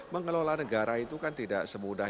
mengelola negara itu kan tidak semudah